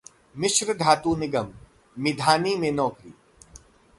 मिश्र धातु निगम, मिधानी में नौकरी